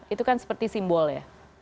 itu kan seperti simbol ya